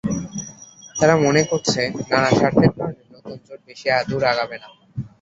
তারা মনে করছে, নানা স্বার্থের কারণে নতুন জোট বেশি দূর আগাবে না।